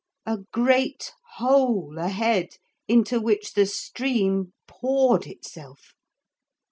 A great hole, ahead, into which the stream poured itself.